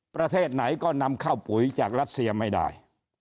ประเทศไหนก็นำเข้าปุ๋ยจากรัสเซียไม่ได้